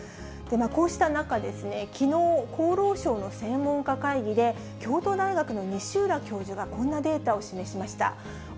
こうした中、きのう、厚労省の専門家会議で、京都大学の西浦教授がこんなデータを示しました。